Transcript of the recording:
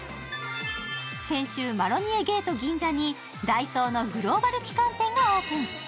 先週マロニエゲート銀座にＤＡＩＳＯのグローバル旗艦店がオープン。